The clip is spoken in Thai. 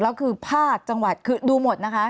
แล้วคือภาคจังหวัดคือดูหมดนะคะ